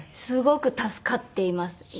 すごく助かっています。